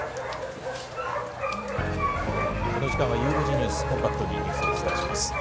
この時間はゆう５時ニュース、コンパクトにニュースをお伝えします。